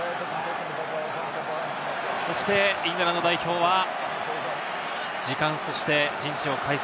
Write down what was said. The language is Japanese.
そしてイングランド代表は時間、そして陣地を回復。